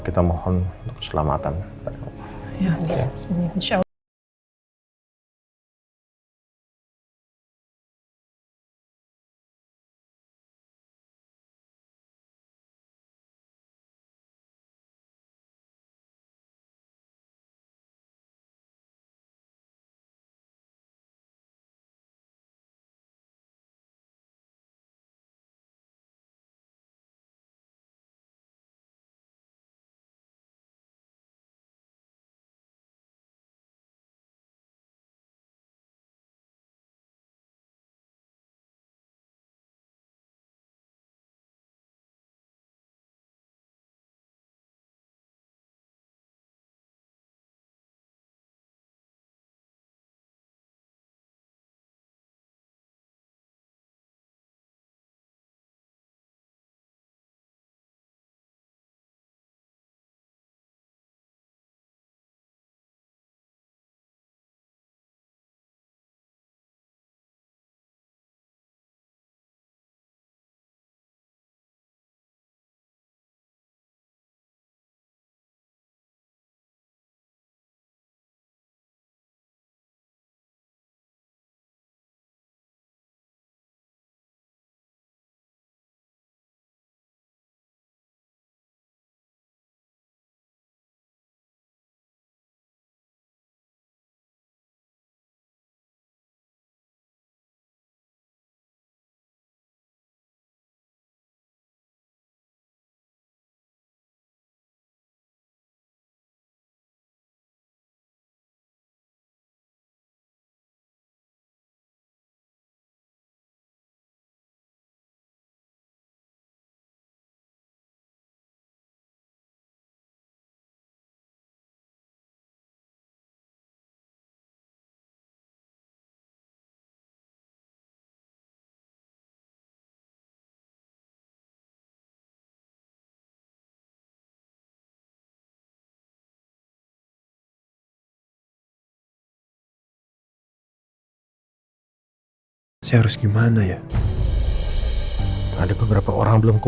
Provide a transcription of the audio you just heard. kita mohon keselamatan kepada allah